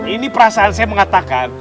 ini perasaan saya mengatakan